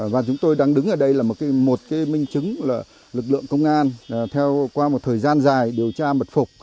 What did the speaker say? và chúng tôi đang đứng ở đây là một minh chứng là lực lượng công an qua một thời gian dài điều tra mật phục